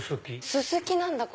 ススキなんだ！